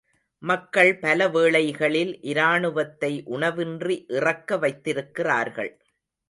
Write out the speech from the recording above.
மக்கள் பலவேளைகளில் இராணுவத்தை உணவின்றி இறக்க வைத்திருக்கிறார்கள்.